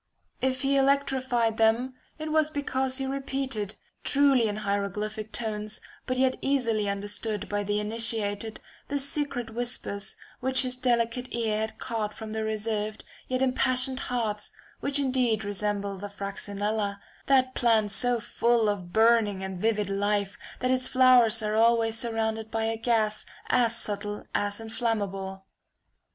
If he electrified them, it was because he repeated, truly in hieroglyphic tones, but yet easily understood by the initiated, the secret whispers which his delicate ear had caught from the reserved yet impassioned hearts, which indeed resemble the Fraxinella, that plant so full of burning and vivid life, that its flowers are always surrounded by a gas as subtle as inflammable.